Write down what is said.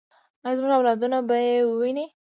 آیا زموږ اولادونه به یې وویني؟